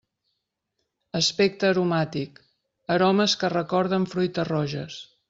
Aspecte aromàtic: aromes que recorden fruites roges.